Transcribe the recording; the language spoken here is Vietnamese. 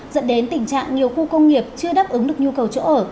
dẫn đến tình trạng nhiều khu công nghiệp chưa đáp ứng được nhu cầu chỗ ở